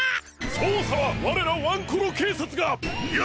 そうさはわれらワンコロけいさつが！いや！